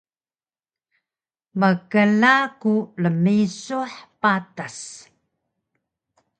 Mkla ku rmisuh patas